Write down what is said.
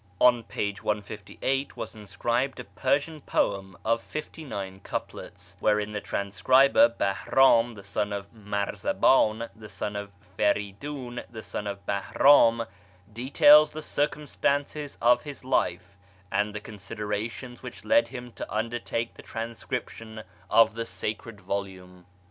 On f. 158 was inscribed a Persian poem of fifty nine couplets, wherein the transcriber, Bahram, the son of Marzaban, the son of Feridiin, the son of Bahram, details the circumstances of his life and the considerations which led him to undertake the transcription of the sacred volume.